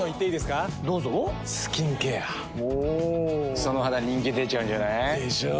その肌人気出ちゃうんじゃない？でしょう。